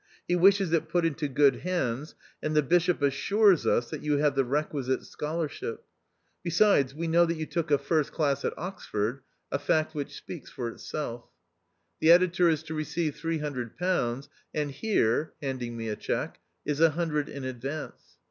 He wishes it put into good hands, and the Bishop assures us that you have the requisite scholarship ; besides, we know that you took a first class 232 THE OUTCAST. at Oxford, a fact which speaks for itself. The editor is to receive three hundred pounds, and here (handing me a cheque) is a hundred in advance.